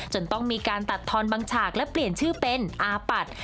จนต้องมีการตัดทอนบางฉากและเปลี่ยนชื่อเป็นอาปัตย์